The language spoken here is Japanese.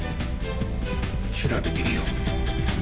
調べてみよう。